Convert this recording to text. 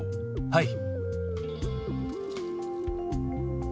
はい。